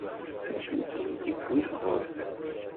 D acu i kem-iwwin ɣur-sen?